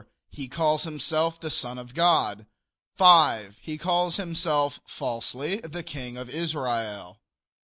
He calls himself the son of God. 5. He calls himself, falsely, the King of Israel.